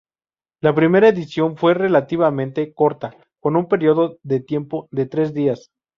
La primera edición fue relativamente corta con un periodo de tiempo de tres días.